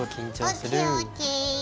ＯＫＯＫ。